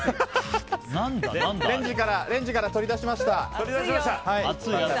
レンジから取り出しました。